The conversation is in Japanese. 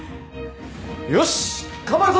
よし頑張るぞ！